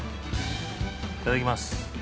いただきます。